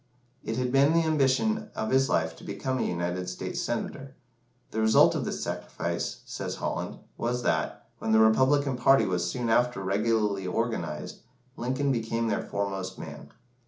It had been the ambition of his life to become a United States Senator. The result of this sacrifice, says Holland, was that, when the Republican party was soon after regularly organised, Lincoln became their foremost man.